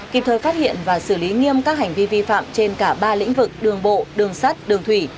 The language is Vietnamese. kịp thời phát hiện và xử lý nghiêm các hành vi vi phạm trên cả ba lĩnh vực đường bộ đường sắt đường thủy